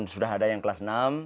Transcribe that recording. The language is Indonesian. sudah ada yang kelas enam